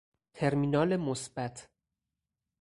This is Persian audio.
ترمینال مثبت